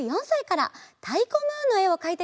「たいこムーン」のえをかいてくれました。